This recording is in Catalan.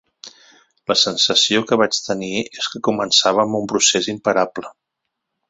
La sensació que vaig tenir és que començàvem un procés imparable.